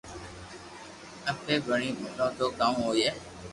اپي ٻئي ملو تو ڪاو ھوئي